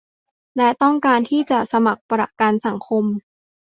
และต้องการที่จะสมัครประกันสังคม